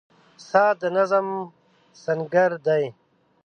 • ساعت د نظم سنګر دی.